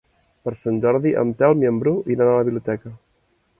Per Sant Jordi en Telm i en Bru iran a la biblioteca.